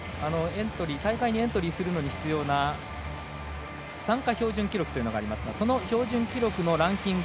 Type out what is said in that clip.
大会にエントリーするのに必要な参加標準記録というのがありますがその標準記録のランキング。